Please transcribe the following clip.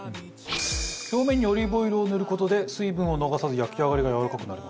表面にオリーブオイルを塗る事で水分を逃さず焼き上がりがやわらかくなります。